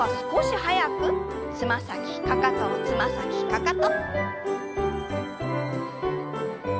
速くつま先かかとつま先かかと。